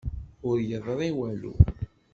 Ur yeḍṛi walu.